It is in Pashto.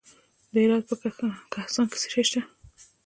د هرات په کهسان کې څه شی شته؟